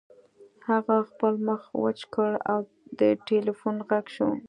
هغه خپل مخ وچ کړ او د ټیلیفون غږ شو